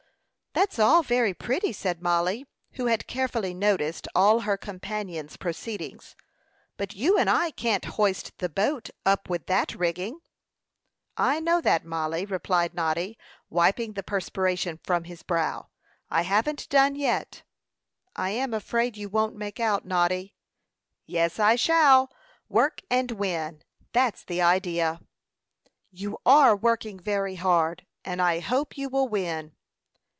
"That's all very pretty," said Mollie, who had carefully noticed all her companion's proceedings; "but you and I can't hoist the boat up with that rigging." "I know that, Mollie," replied Noddy, wiping the perspiration from his brow. "I haven't done yet." "I am afraid you won't make out, Noddy." "Yes, I shall. Work and win; that's the idea." "You are working very hard, and I hope you will win."